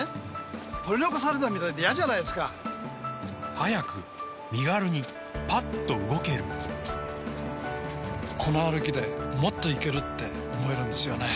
早く身軽にパッと動けるこの歩きでもっといける！って思えるんですよね